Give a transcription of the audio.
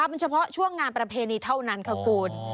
เป็นเฉพาะช่วงงานประเพณีเท่านั้นค่ะคุณ